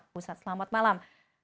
pusat selamat malam